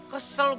kayak gitu doang